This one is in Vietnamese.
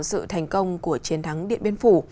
sự thành công của chiến thắng điện biên phủ